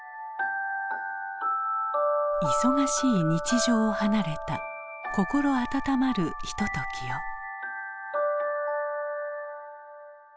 忙しい日常を離れた心温まるひとときを。